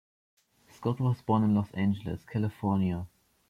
Scott was born in Los Angeles, California.